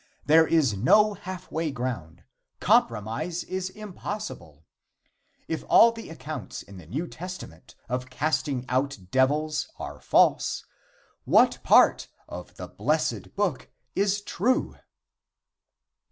There is no half way ground. Compromise is impossible. If all the accounts in the New Testament of casting out devils are false, what part of the Blessed Book is true?